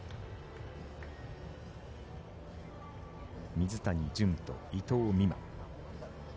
水谷隼と伊藤美誠。